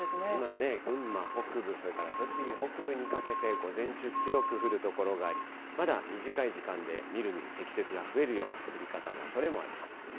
ありますね、群馬北部、それから栃木北部にかけて午前中、強く降る所があり、まだ短い時間でみるみる積雪が増えるような降り方のおそれもあります。